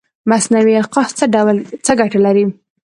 مصنوعي القاح څه ګټه لري؟